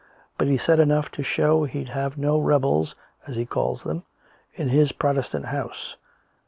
But he said enough to show he'd have no rebels, as he called them, in his Protestant house!